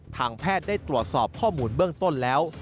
ทางแพทย์ได้ตรวจสอบข้อมูลเบื้องต้นแล้ว